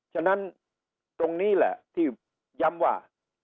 ฉะนั้นตรงนี้แหละที่ย้ำว่า